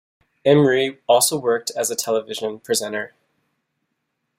Imrie also worked as a television presenter.